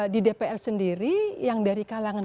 di dpr sendiri yang dari kalangan